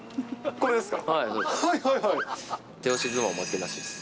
これですか？